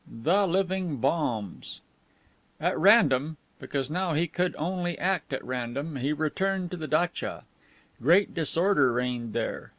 THE LIVING BOMBS At random because now he could only act at random he returned to the datcha. Great disorder reigned there.